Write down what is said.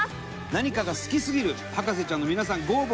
何かが好きすぎる博士ちゃんの皆さんご応募